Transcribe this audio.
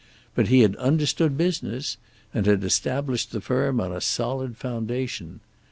But he had understood business, and had established the firm on a solid foundation.